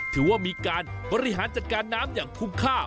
ถือว่ามีการบริหารจัดการน้ำอย่างคุ้มค่า